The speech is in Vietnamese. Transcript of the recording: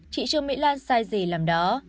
chị trường mỹ lan sai gì làm đó